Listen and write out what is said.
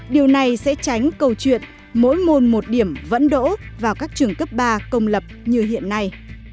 điều này sẽ tránh câu chuyện mỗi môn một điểm vẫn đỗ vào các trường cấp ba công lập như hiện nay